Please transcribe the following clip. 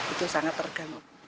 itu sangat terganggu